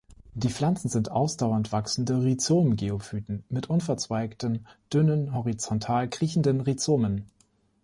Die Pflanzen sind ausdauernd wachsende Rhizom-Geophyten mit unverzweigten, dünnen, horizontal kriechenden Rhizomen.